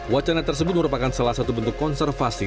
wacana tersebut merupakan salah satu bentuk konservasi